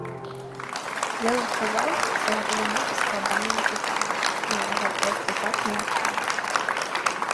Ён адказаў, што гэта занадта складанае пытанне, і на яго проста так не адкажаш.